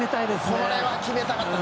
これは決めたかった。